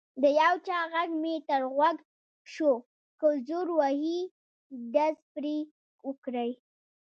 د یو چا غږ مې تر غوږ شو: که زور وهي ډز پرې وکړئ.